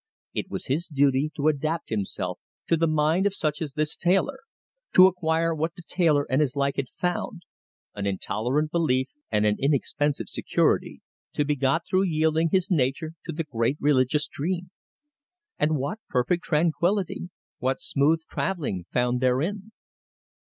It was his duty to adapt himself to the mind of such as this tailor; to acquire what the tailor and his like had found an intolerant belief and an inexpensive security, to be got through yielding his nature to the great religious dream. And what perfect tranquillity, what smooth travelling found therein.